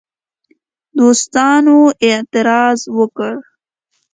دوستانو اعتراض وکړ.